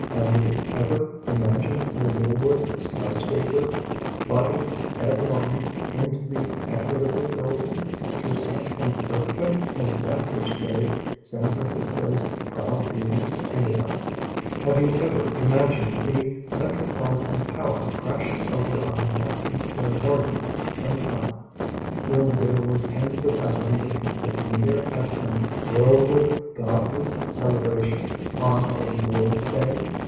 Have you ever imagined the Woolworth "sky scraper" butting headlong into the Equitable Building, through such an earthquake as that which laid San Francisco's proud beauty in the dustf Have you ever imagined the Metropolitan Tower crashing over on Madison Square Garden some time, when there were tens of thousands of people in there at some worldly, godless celebration on the Lord's Day?